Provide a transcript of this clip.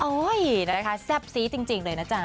นะคะแซ่บซี้จริงเลยนะจ๊ะ